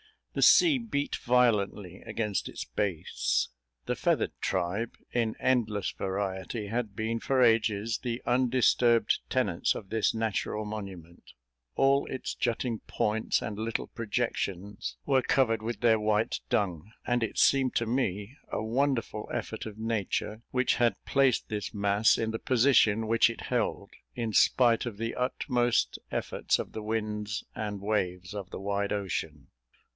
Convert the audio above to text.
The sea beat violently against its base the feathered tribe, in endless variety, had been for ages the undisturbed tenants of this natural monument; all its jutting points and little projections were covered with their white dung, and it seemed to me a wonderful effort of Nature, which had placed this mass in the position which it held, in spite of the utmost efforts of the winds and waves of the wide ocean.